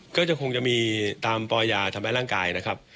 ก็จะคงจะมีตามปอย่าทำร้ายร่างกายนะครับ